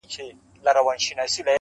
وايي چې په لرغونې مالیزیا کې